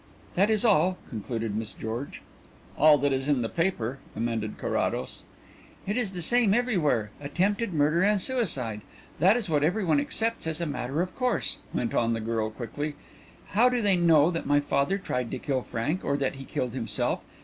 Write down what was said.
'" "That is all," concluded Miss George. "All that is in the paper," amended Carrados. "It is the same everywhere 'attempted murder and suicide' that is what everyone accepts as a matter of course," went on the girl quickly. "How do they know that my father tried to kill Frank, or that he killed himself?